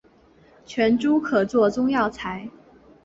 全株可做中药材。